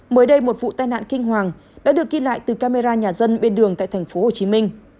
mới đây một vụ tai nạn kinh hoàng đã được ghi lại từ camera nhà dân bên đường tại tp hcm